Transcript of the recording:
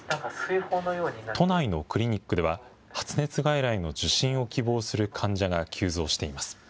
都内のクリニックでは発熱外来の受診を希望する患者が急増しています。